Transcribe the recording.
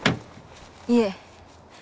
いえ。